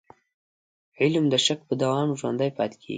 علم د شک په دوام ژوندی پاتې کېږي.